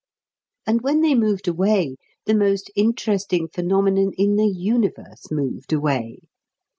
And when they moved away the most interesting phenomenon in the universe moved away.